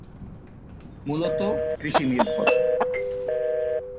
মূলতঃ কৃষি নির্ভর।